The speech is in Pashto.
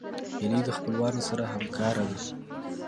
هیلۍ د خپلوانو سره همکاره ده